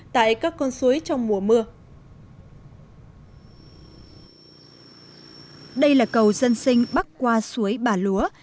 tại các con suối trong mùa mưa đây là cầu dân sinh bắc qua suối bà lúa